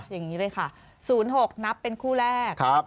อย่างนี้เลยค่ะ๐๖นับเป็นคู่แรก